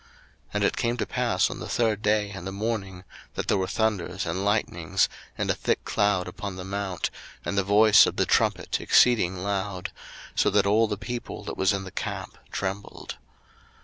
02:019:016 And it came to pass on the third day in the morning, that there were thunders and lightnings, and a thick cloud upon the mount, and the voice of the trumpet exceeding loud; so that all the people that was in the camp trembled.